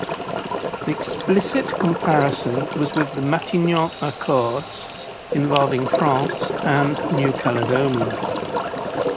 The explicit comparison was with the Matignon Accords involving France and New Caledonia.